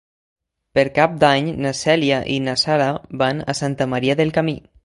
Per Cap d'Any na Cèlia i na Sara van a Santa Maria del Camí.